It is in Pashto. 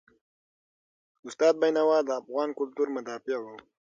استاد بینوا د افغان کلتور مدافع و.